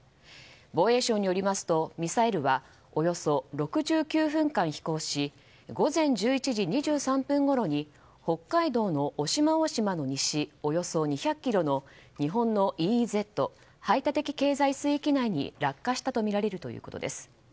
防衛省によりますとミサイルはおよそ６９分間飛行し午前１１時２３分ごろに北海道の渡島大島の西およそ２００ｋｍの日本のＥＥＺ・排他的経済水域内に落下したとみられるということです。